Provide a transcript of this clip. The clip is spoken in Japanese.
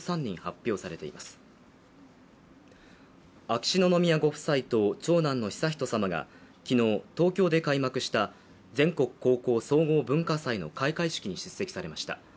秋篠宮ご夫妻と長男の悠仁さまが昨日、東京で開幕した全国高校総合文化祭の開会式に出席されました。